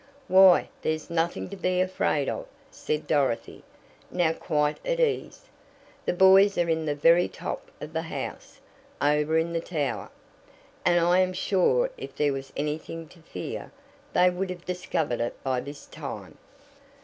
"Why, there's nothing to be afraid of," said Dorothy, now quite at ease. "The boys are in the very top of the house, over in the tower, and I am sure if there was anything to fear, they would have discovered it by this time."